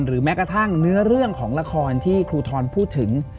แม้กระทั่งเนื้อเรื่องของละครที่ครูทรพูดถึง